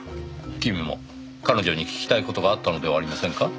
君も彼女に聞きたい事があったのではありませんか？